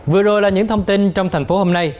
vừa rồi là những thông tin trong thành phố hôm nay